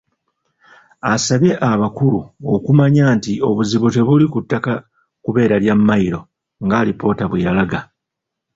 Asabye abakulu okumanya nti obuzibu tebuli ku ttaka kubeera lya mayiro ng'alipoota bwe yalaga.